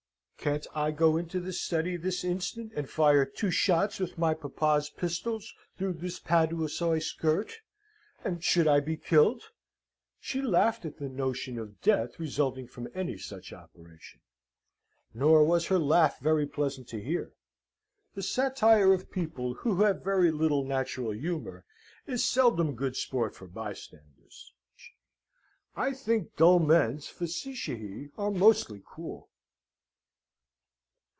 Can't I go into the study this instant and fire two shots with my papa's pistols through this paduasoy skirt, and should I be killed? She laughed at the notion of death resulting from any such operation; nor was her laugh very pleasant to hear. The satire of people who have little natural humour is seldom good sport for bystanders. I think dull men's faceticae are mostly cruel.